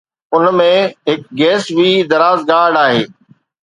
ان ۾ هڪ گيس وي دراز گارڊ آهي